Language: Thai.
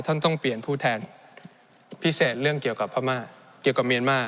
ต้องเปลี่ยนผู้แทนพิเศษเรื่องเกี่ยวกับพม่าเกี่ยวกับเมียนมา